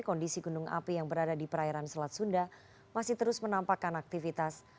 kondisi gunung api yang berada di perairan selat sunda masih terus menampakkan aktivitas